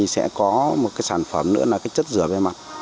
cây sẽ có một cái sản phẩm nữa là cái chất rửa bề mặt